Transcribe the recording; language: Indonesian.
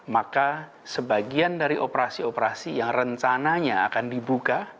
maka sebagian dari operasi operasi yang rencananya akan dibuka